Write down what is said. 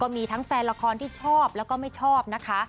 มีทั้งแฟนละครที่ชอบแล้วก็ไม่ชอบนะคะ